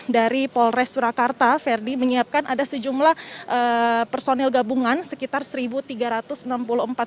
dari polres surakarta verdi menyiapkan ada sejumlah personil gabungan sekitar satu tiga ratus enam puluh empat orang